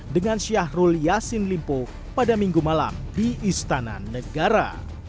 dengan syahrul yassin limpo pada minggu malam di istana negara